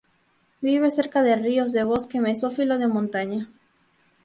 Vive cerca de ríos de bosque mesófilo de montaña.